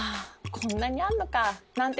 こんなにあんのかなんて